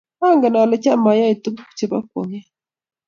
angen ale cham ayae tukuk chebo kwang'et